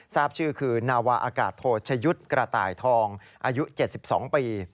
ทราบชื่อคือนาวาอากาศโทชยุทธ์กระต่ายทองอายุ๗๒ปี